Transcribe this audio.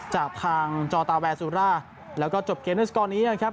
จากทางจอตาแวซูร่าแล้วก็จบเกมด้วยสกอร์นี้นะครับ